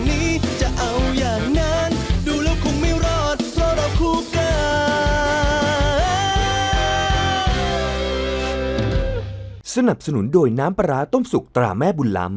มีบริษัทที่กรุงเทพส่งเมลมาเสนองานที่ทำการตลาดนี้